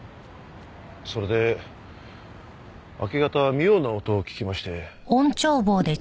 それで明け方妙な音を聞きまして。